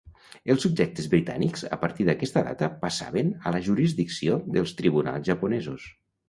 Els subjectes britànics a partir d'aquesta data passaven a la jurisdicció dels tribunals japonesos.